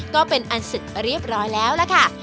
ก็เป็นอันเสร็จเรียบร้อยแล้วล่ะค่ะ